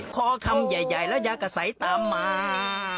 คอคำใหญ่แล้วยากระใสตามมา